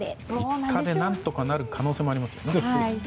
５日で何とかなる可能性もありますもんね。